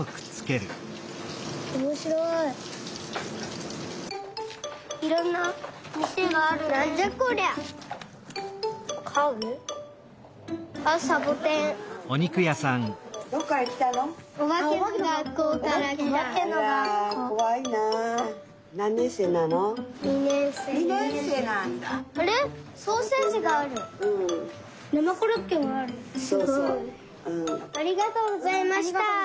すごい！ありがとうございました！